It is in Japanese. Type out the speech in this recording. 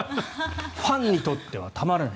ファンにとってはたまらない。